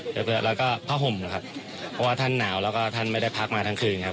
แล้วก็ผ้าห่มนะครับเพราะว่าท่านหนาวแล้วก็ท่านไม่ได้พักมาทั้งคืนครับ